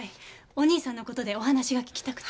お兄さんの事でお話が聞きたくて。